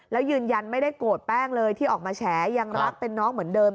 แล้วยืนยันไม่ได้โกรธแป้งเลยที่ออกมาแฉยังรักเป็นน้องเหมือนเดิม